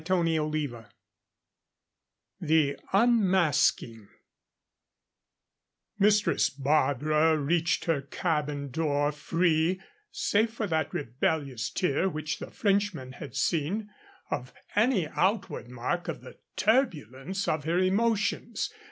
CHAPTER XIV THE UNMASKING Mistress Barbara reached her cabin door, free, save for that rebellious tear which the Frenchman had seen, of any outward mark of the turbulence of her emotions.